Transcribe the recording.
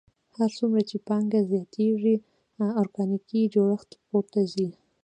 هر څومره چې پانګه زیاتېږي ارګانیکي جوړښت پورته ځي